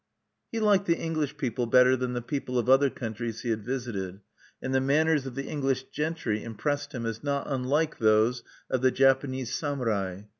He liked the English people better than the people of other countries he had visited; and the manners of the English gentry impressed him as not unlike those of the Japanese samurai.